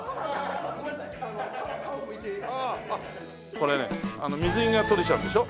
これ水着が取れちゃうんでしょ？